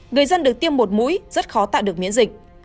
người dân được tiêm một mũi rất khó tạo được miễn dịch